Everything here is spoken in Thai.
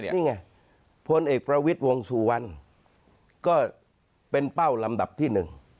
นี่ไงพลเอกประวิทย์วงสุวรรณก็เป็นเป้าลำดับที่หนึ่ง